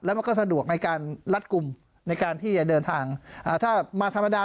มันก็สะดวกในการรัดกลุ่มในการที่จะเดินทางถ้ามาธรรมดา